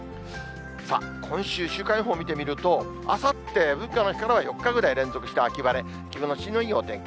さあ、今週１週間予報見てみると、あさって文化の日からは４日ぐらい連続して秋晴れ、気持ちのいいお天気。